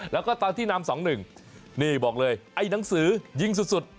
แล้วก็ตอนที่นามสองหนึ่งนี่บอกเลยไอ้หนังสือยิงสุด